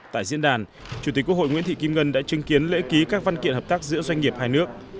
tại diễn đàn chủ tịch quốc hội nguyễn thị kim ngân đã chứng kiến lễ ký các văn kiện hợp tác giữa doanh nghiệp hai nước